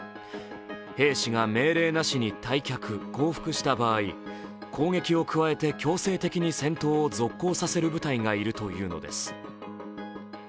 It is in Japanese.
兵士が命令なしに退却・降伏した場合、攻撃を加えて強制的に戦闘を続行させる部隊がいるというのです。